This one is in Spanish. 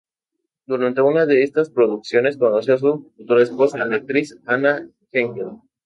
Durante una de estas producciones conoció a su futura esposa, la actriz Anna Henkel.